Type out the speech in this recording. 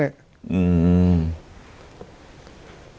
อืม